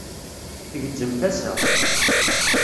tgezzem tasa.